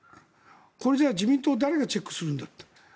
これじゃあ自民党誰がチェックするんだって。